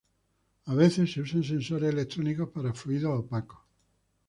A veces se usan sensores electrónicos para fluidos opacos.